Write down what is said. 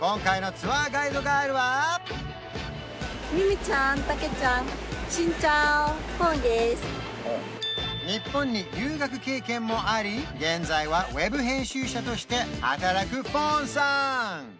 今回の日本に留学経験もあり現在はウェブ編集者として働くフォンさん